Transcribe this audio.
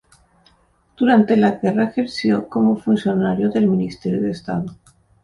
Durante la guerra ejerció como funcionario del Ministerio de Estado.